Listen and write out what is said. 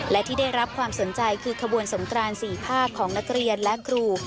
และที่ได้รับความสนใจคือขบวนสงกราน๔ภาคของนักเรียนและครู